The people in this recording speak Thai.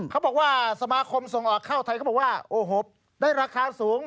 เขาบอกว่าสมาคมส่งออกข้าวไทยเขาบอกว่าโอ้โหได้ราคาสูง